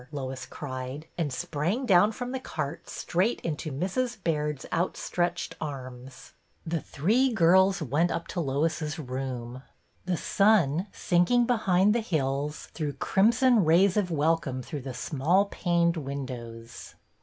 " Lois cried, and sprang down from the cart straight into Mrs. Baird's outstretched arms. The '' three girls " went up to Lois's room. The sun, sinking behind the hills, threw crimson rays of welcome through the small paned win dows.